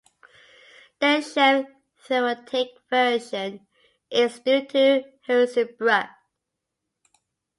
The sheaf-theoretic version is due to Hirzebruch.